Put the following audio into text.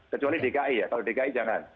kecuali dki ya kalau dki jangan